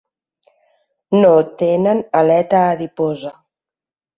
No tenen aleta adiposa.